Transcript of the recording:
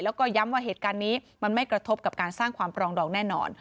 แล้วก็ย้ำว่าเหตุการณ์นี้มันไม่กระทบกับการสร้างความปรองดองแน่นอน